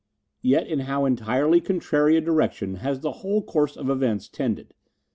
Yet in how entirely contrary a direction has the whole course of events tended!